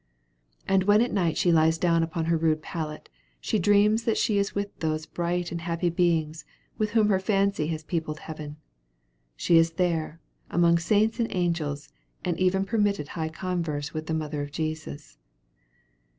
And when at night she lies down upon her rude pallet, she dreams that she is with those bright and happy beings with whom her fancy has peopled heaven. She is there, among saints and angels, and even permitted high converse with the Mother of Jesus.